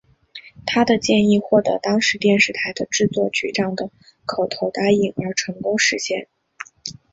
他的建议获得当时电视台的制作局长的口头答应而成功实现。